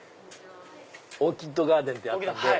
オーキッドガーデンってあったんで。